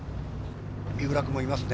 三浦君もいますね。